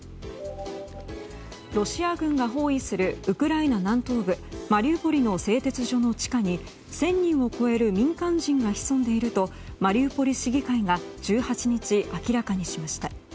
ロシア軍が包囲するウクライナ南東部マリウポリの製鉄所の地下に１０００人を超える民間人が潜んでいるとマリウポリ市議会が１８日、明らかにしました。